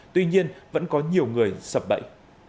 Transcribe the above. tuy nhiên vẫn có nhiều người sập bậy